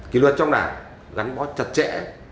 kỷ luật trong đảng gắn bó chặt chẽ